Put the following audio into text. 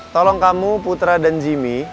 tolong kamu putra dan jimmy